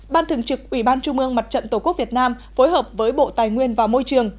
ban thường trực ủy ban trung ương mặt trận tổ quốc việt nam phối hợp với bộ tài nguyên và môi trường